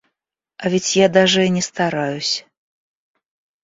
А ведь я даже и не стараюсь.